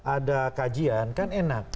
ada kajian kan enak